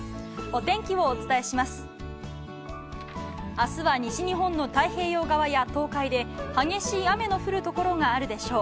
明日は西日本の太平洋側や東海で激しい雨の降るところがあるでしょう。